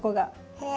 へえ。